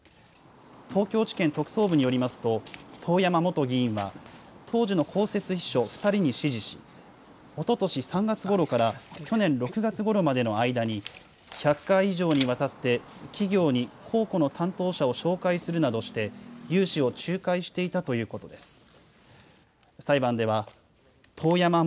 東京地検特捜部によりますと、遠山元議員は、当時の公設秘書２人に指示し、おととし３月ごろから去年６月ごろまでの間に、１００回以上にわたって企業に公庫の担当者を紹介するなどして、融資を仲介していたということです。